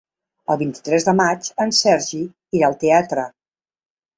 El vint-i-tres de maig en Sergi irà al teatre.